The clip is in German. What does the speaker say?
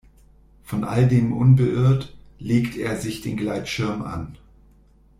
Von all dem unbeirrt, legt er sich den Gleitschirm an.